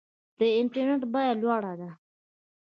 د انټرنیټ بیه لوړه ده؟